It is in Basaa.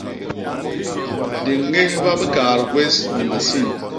Di ñébha bikaat gwés ni masin.